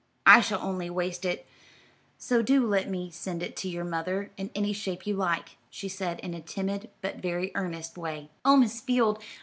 I shall only waste it, so do let me send it to your mother in any shape you like," she said in a timid, but very earnest way. "Oh, Miss Field!